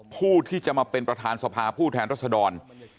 ผู้ที่จะมาเป็นประธานสภาผู้แทนรัศดร